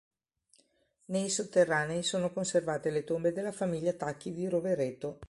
Nei sotterranei sono conservate le tombe della famiglia Tacchi di Rovereto.